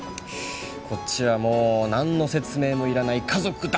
こっちはもう何の説明もいらない家族だ